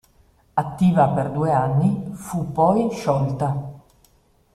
Attiva per due anni, fu poi sciolta.